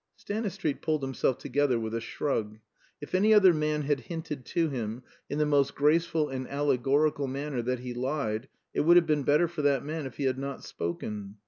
Stanistreet pulled himself together with a shrug. If any other man had hinted to him, in the most graceful and allegorical manner, that he lied, it would have been better for that man if he had not spoken.